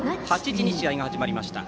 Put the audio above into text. ８時に試合が始まりました。